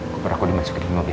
kopar aku dimasukin di mobil